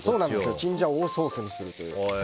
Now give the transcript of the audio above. チンジャオをソースにするという。